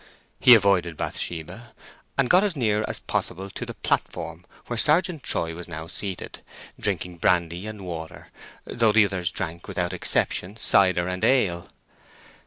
He avoided Bathsheba, and got as near as possible to the platform, where Sergeant Troy was now seated, drinking brandy and water, though the others drank without exception cider and ale.